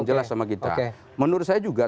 jelas sama kita menurut saya juga